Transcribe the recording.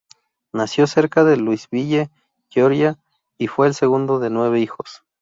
Nació cerca de Louisville, Georgia, y fue el segundo de nueve hijos.